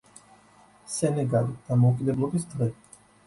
სენეგალი: დამოუკიდებლობის დღე.